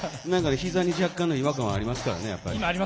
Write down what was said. ひざに若干の違和感がありますからね。